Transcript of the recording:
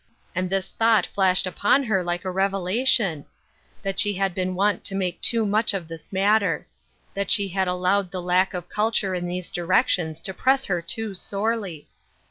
And this thought flashed upon ber like a revelation — that she had been wont to make too much of this matter ; that she had allowed the lack of culture in these directions to press «her too sorely.